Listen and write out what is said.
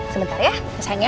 sebentar ya sayang ya